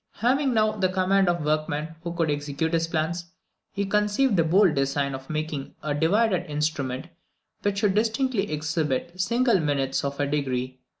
Having now the command of workmen who could execute his plans, he conceived the bold design of making a divided instrument which should distinctly exhibit single minutes of a degree.